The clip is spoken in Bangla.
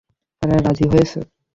তারা রাজি হয়েছে।